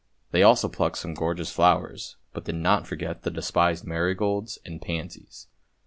They also plucked some gorgeous flowers, but did not forget the despised marigolds and pansies.